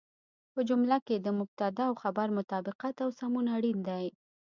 په جمله کې د مبتدا او خبر مطابقت او سمون اړين دی.